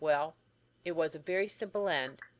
Well, it was a very simple end.